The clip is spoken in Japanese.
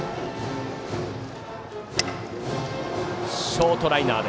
ショートライナー。